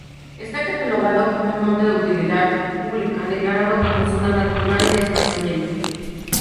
Está catalogado como un monte de utilidad pública, declarado como Zona Natural de Esparcimiento.